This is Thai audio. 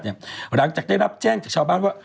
หลังจากได้รับแจ้งจากชาวบ้านว่า